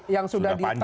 yang sudah ditempuh